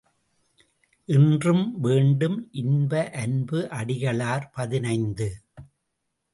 என்றும் வேண்டும் இன்ப அன்பு அடிகளார் பதினைந்து .